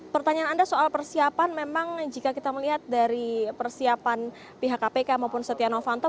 pertanyaan anda soal persiapan memang jika kita melihat dari persiapan pihak kpk maupun setia novanto